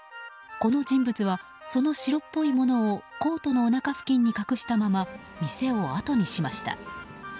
この人物はその白っぽいものをコートのおなか付近に隠したまま店をあとにしました。